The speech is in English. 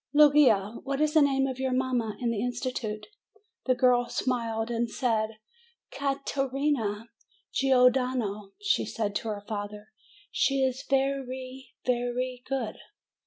Luigia, what is the name of your mamma in the institute ?" The girl smiled, and said, "Ca te rina Gior dano." Then she said to her father, "She is ve ry, ve ry good."